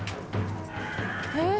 えっ？